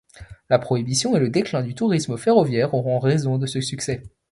La prohibition et le déclin du tourisme ferroviaire auront raison de ce succès.